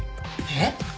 えっ！？